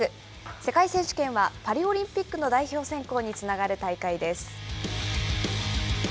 世界選手権はパリオリンピックの代表選考につながる大会です。